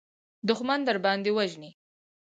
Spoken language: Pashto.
دښمن درباندې وژني.